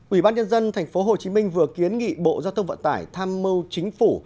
ủy ban nhân dân tp hcm vừa kiến nghị bộ giao thông vận tải tham mâu chính phủ